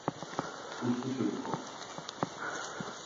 Uslu çocuk ol.